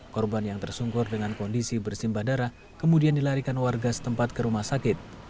korban yang tersungkur dengan kondisi bersimbah darah kemudian dilarikan warga setempat ke rumah sakit